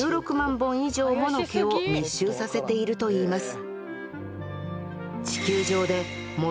本以上もの毛を密集させているといいます